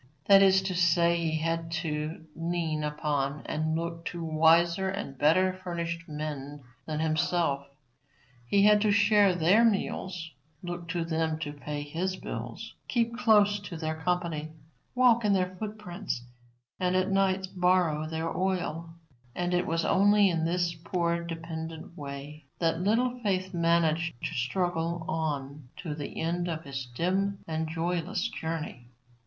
That is to say, he had to lean upon and look to wiser and better furnished men than himself. He had to share their meals, look to them to pay his bills, keep close to their company, walk in their foot prints, and at night borrow their oil, and it was only in this poor dependent way that Little Faith managed to struggle on to the end of his dim and joyless journey.